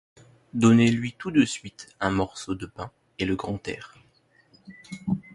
Donnez-lui tout de suite un morceau de pain et le grand air.